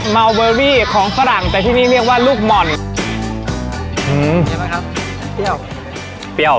มัลเวอรี่ของฝรั่งแต่ที่นี่เรียกว่าลูกหม่อนอืมเห็นไหมครับเปรี้ยว